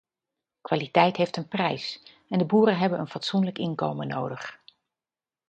Kwaliteit heeft een prijs en de boeren hebben een fatsoenlijk inkomen nodig.